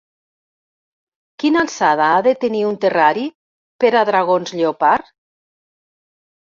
Quina alçada ha de tenir un terrari per a dragons lleopard?